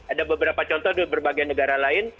ada beberapa contoh di berbagai negara lain